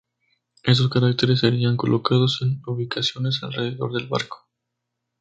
Estos caracteres serían colocados en ubicaciones alrededor del barco.